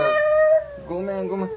ごめんごめん